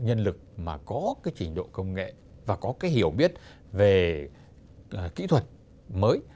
nhân lực mà có cái trình độ công nghệ và có cái hiểu biết về kỹ thuật mới